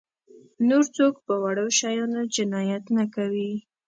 نور څوک په وړو شیانو جنایت نه کوي.